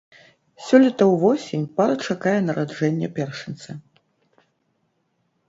Сёлета ўвосень пара чакае нараджэння першынца.